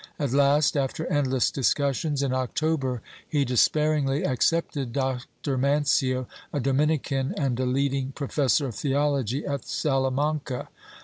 At last, after endless discussions, in October he despairingly accepted Dr. Mancio, a Dominican and a leading professor of theology at Salamanca.